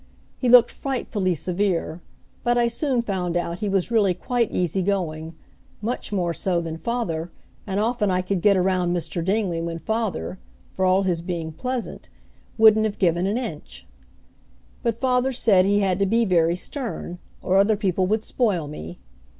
He looked frightfully severe, but I soon found out he was really quite easy going, much more so than father, and often I could get around Mr. Dingley when father, for all his being pleasant, wouldn't have given an inch. But father said he had to be very stern, or other people would spoil me.